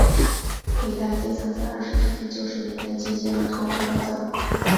北大街曾在二十世纪九十年代进行了拓宽改造。